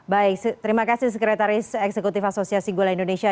baik terima kasih sekretaris eksekutif asosiasi gula indonesia